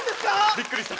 びっくりした？